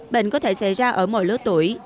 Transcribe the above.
bệnh có thể xảy ra ở mỗi lứa tuổi